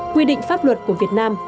quy định pháp luật của việt nam